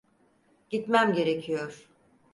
Gitmem gerekiyor.